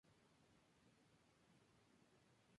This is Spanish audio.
Montes de Oca regresó a su ciudad natal tras la caída de Rosas.